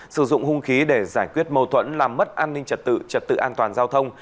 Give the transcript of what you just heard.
sử dụng hung khí để giải quyết mâu thuẫn làm mất an ninh trật tự trật tự an toàn giao thông